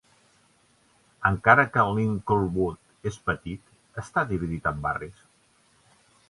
Encara que Lincolnwood és petit, està dividit en barris.